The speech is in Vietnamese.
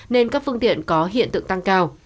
nên các phương tiện có hiện tượng tăng cao